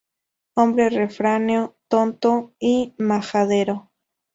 Hombre refranero, tonto y majadero